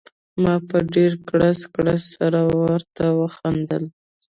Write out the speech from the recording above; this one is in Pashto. ما په ډېر کړس کړس سره ورته وخندل.